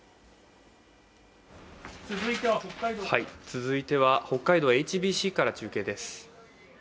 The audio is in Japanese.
続いては北海道ＨＢＣから中継です